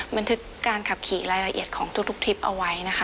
บันทึกการขับขี่รายละเอียดของทุกทริปเอาไว้นะคะ